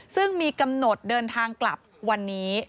ซึ่งมีกำหนดเดินทางกลับวันนี้